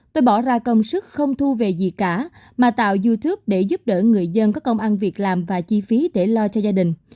tôi bỏ ra công sức không thu về gì cả mà tạo youtube để giúp đỡ người dân có công ăn việc làm và chi phí để lo cho gia đình